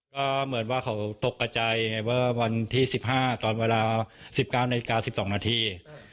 ก็เหมือนว่าเขาตกกับใจว่าวันที่สิบห้าตอนเวลาสิบเก้านาฬิกาสิบสองนาที